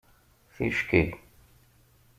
Ticki